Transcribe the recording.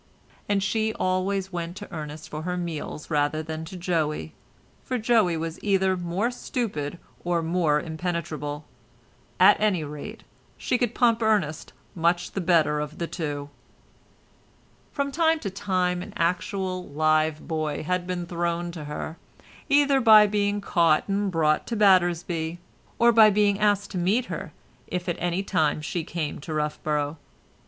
And she always went to Ernest for her meals rather than to Joey, for Joey was either more stupid or more impenetrable—at any rate she could pump Ernest much the better of the two. From time to time an actual live boy had been thrown to her, either by being caught and brought to Battersby, or by being asked to meet her if at any time she came to Roughborough.